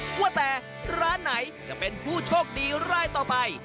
ว่าแต่ร้านไหนจะเป็นผู้โชคดีรายต่อไป